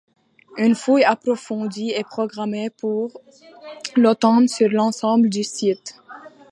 Une fouille approfondie est programmée pour l’automne sur l’ensemble du site.